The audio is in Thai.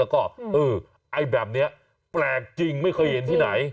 แล้วก็เออไอ้แบบนี้แปลกจริงไม่เคยเห็นที่ไหน